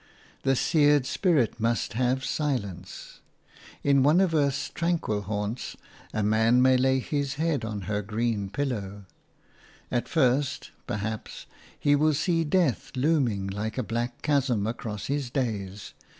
The seared spirit must have silence. In one of earth's tranquil haunts a man may lay his head on her green pillow: At first, perhaps, he will see death looming like a black chasm across his days.